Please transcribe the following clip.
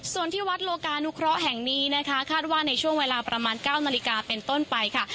ส่วนที่วัดโลกานุเคราะห์แห่งนี้นะคะคาดว่าในช่วงเวลาประมาณ๙นาฬิกาเป็นต้นไปค่ะ